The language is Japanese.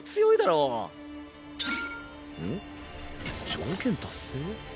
「条件達成」？